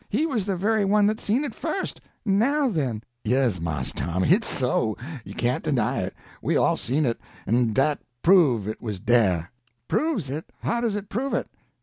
He was the very one that seen it first. Now, then!" "Yes, Mars Tom, hit's so—you can't deny it. We all seen it, en dat prove it was dah." "Proves it! How does it prove it?"